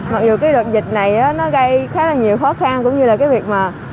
mặc dù cái đợt dịch này nó gây khá là nhiều khó khăn cũng như là cái việc mà